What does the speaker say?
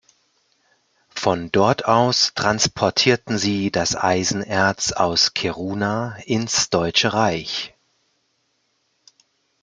Von dort aus transportierten sie das Eisenerz aus Kiruna ins deutsche Reich.